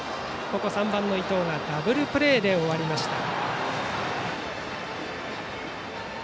３番の伊藤がダブルプレーで終わりました。